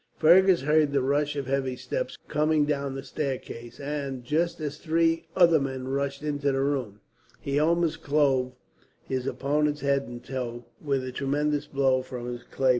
Fergus heard the rush of heavy steps coming down the staircase and, just as three other men rushed into the room, he almost clove his opponent's head in two, with a tremendous blow from his claymore.